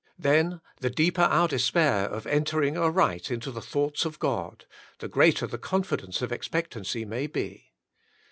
Then, the deeper our despair of entering aright into the thoughts of God, the greater the con fidence of expectancy may be.